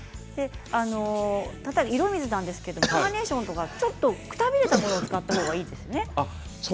色水なんですがカーネーションなど、ちょっとくたびれたものを使った方がいいですよね。